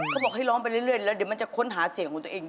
เขาบอกให้ร้องไปเรื่อยแล้วเดี๋ยวมันจะค้นหาเสียงของตัวเอง